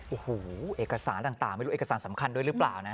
โอ้โหเอกสารต่างไม่รู้เอกสารสำคัญด้วยหรือเปล่านะ